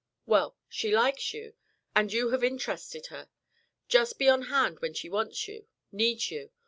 Well, she likes you, and you have interested her. Just be on hand when she wants you, needs you.